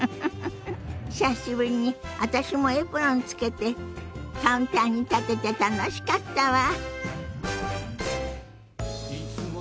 久しぶりに私もエプロンつけてカウンターに立てて楽しかったわ。